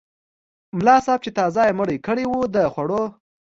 ملا صاحب چې تازه یې مړۍ کړې وه د خوړو.